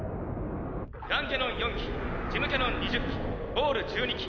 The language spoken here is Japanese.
ガンキャノン４機ジムキャノン２０機ボール１２機